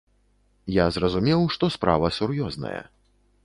Я зразумеў, што справа сур'ёзная.